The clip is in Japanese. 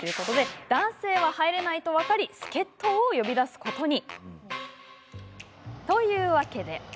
男性は入れないと分かり助っとを呼び出すことに。